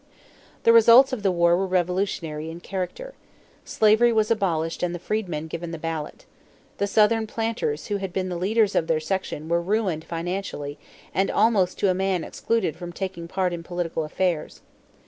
The results of the war were revolutionary in character. Slavery was abolished and the freedmen given the ballot. The Southern planters who had been the leaders of their section were ruined financially and almost to a man excluded from taking part in political affairs.